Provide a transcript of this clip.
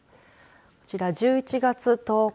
こちら１１月１０日。